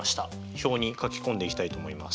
表に書き込んでいきたいと思います。